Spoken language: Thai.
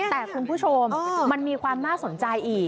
แต่คุณผู้ชมมันมีความน่าสนใจอีก